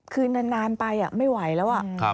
คือนานไปไม่ไหวแล้ว